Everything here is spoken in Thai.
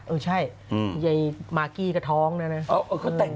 เออใช่ไอ้มาร์กี้กระท้องด้วยนั่น